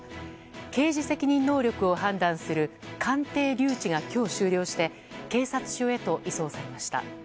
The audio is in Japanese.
刑事責任能力を判断する鑑定留置が今日終了して警察署へと移送されました。